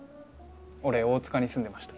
俺大塚に住んでました。